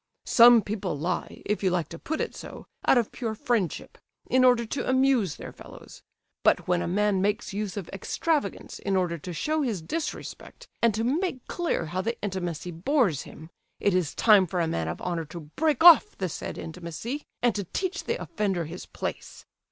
Some people lie, if you like to put it so, out of pure friendship, in order to amuse their fellows; but when a man makes use of extravagance in order to show his disrespect and to make clear how the intimacy bores him, it is time for a man of honour to break off the said intimacy, and to teach the offender his place."